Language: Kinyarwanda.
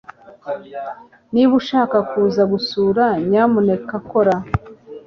Niba ushaka kuza gusura, nyamuneka kora.